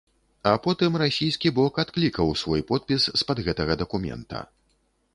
А потым расійскі бок адклікаў свой подпіс з-пад гэтага дакумента.